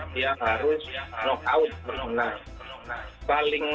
dia harus knock out menunggang